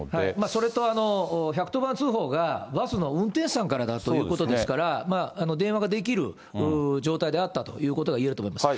それと、１１０番通報がバスの運転手さんからだということですから、電話ができる状態であったということが言えると思います。